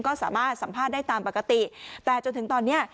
ก็สามารถสัมภาษณ์ได้ตามปกติแต่จนถึงตอนนี้